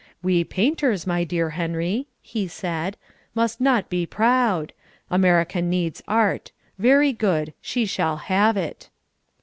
"We painters, my dear Henry," he said, "must not be proud. America needs Art. Very good. She shall have it."